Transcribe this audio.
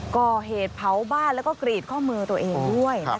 ก่อเหตุเผาบ้านแล้วก็กรีดข้อมือตัวเองด้วย